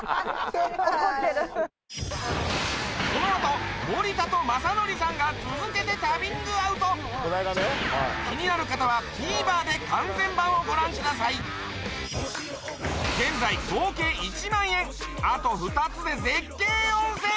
このあと森田と雅紀さんが続けて旅ングアウト気になる方はＴＶｅｒで完全版をご覧ください現在合計１万円あと２つで絶景温泉！